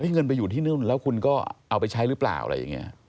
เงินไปอยู่ที่นู่นแล้วคุณก็เอาไปใช้หรือเปล่าอะไรอย่างนี้